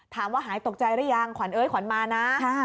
ถามว่าหายตกใจหรือยังขวันเอิ๊ยขวันมานะ